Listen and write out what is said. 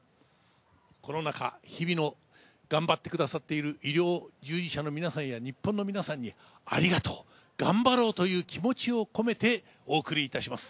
コロナ禍、日々のがんばってくださっている医療従事者の皆さんや日本の皆さんにありがとう、がんばろうという気持ちを込めて、お送りいたします。